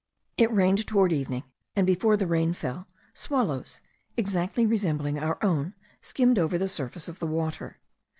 It rained toward evening, and before the rain fell, swallows, exactly resembling our own, skimmed over the surface of the water.